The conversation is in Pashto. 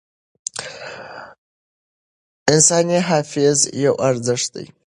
انساني حافظه یو ارزښت دی.